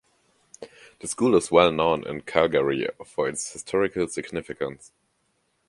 The school is well known in Calgary for its historical significance.